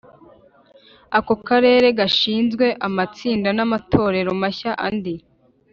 ako karere hashinzwe amatsinda n amatorero mashya Andi